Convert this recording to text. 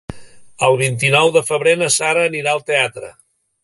El vint-i-nou de febrer na Sara anirà al teatre.